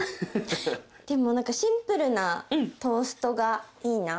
でもシンプルなトーストがいいな。